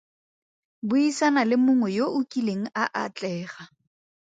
Buisana le mongwe yo o kileng a atlega.